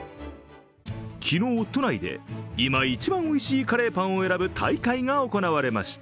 昨日都内で今一番おいしいカレーパンを選ぶ大会が行われました。